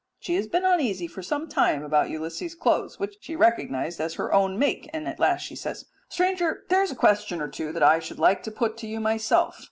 She has been uneasy for some time about Ulysses' clothes, which she recognized as her own make, and at last she says, "Stranger, there is a question or two that I should like to put to you myself.